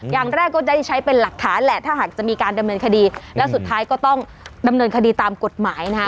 อย่างแรกก็ได้ใช้เป็นหลักฐานแหละถ้าหากจะมีการดำเนินคดีแล้วสุดท้ายก็ต้องดำเนินคดีตามกฎหมายนะฮะ